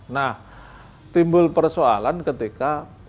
nah timbul persoalan ketika